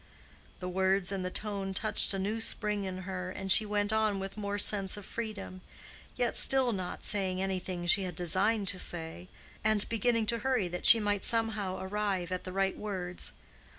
The words and the tone touched a new spring in her, and she went on with more sense of freedom, yet still not saying anything she had designed to say, and beginning to hurry, that she might somehow arrive at the right words.